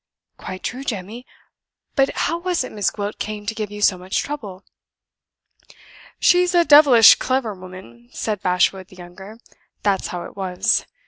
"Quite true, Jemmy. But how was it Miss Gwilt came to give you so much trouble?" "She's a devilish clever woman," said Bashwood the younger; "that's how it was.